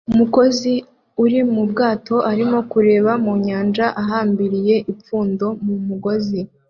Umukozi uri mu bwato arimo kureba mu nyanja ahambiriye ipfundo mu mugozi